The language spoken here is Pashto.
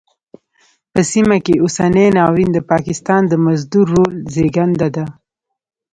په سیمه کې اوسنی ناورین د پاکستان د مزدور رول زېږنده ده.